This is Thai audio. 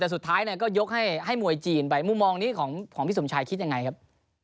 สุดท้ายยกให้มวยจีนไปมุมองพี่สมชายคิดยังไงครับ